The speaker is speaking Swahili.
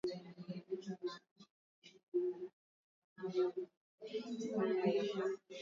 Viazi lishe hupendwa na wagonjwa